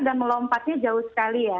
dan melompatnya jauh sekali ya